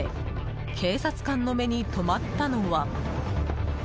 警察官の目に留まったのは。